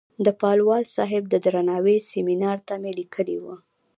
د پالوال صاحب د درناوۍ سیمینار ته مې لیکلې وه.